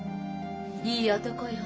いい男よ。